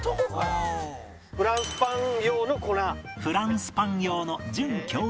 フランスパン用の粉。